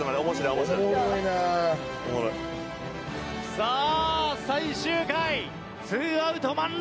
さあ最終回ツーアウト満塁。